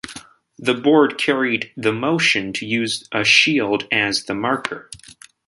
The board carried the motion to use a shield as the marker.